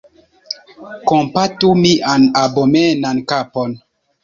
Kompatu mian abomenan kapon!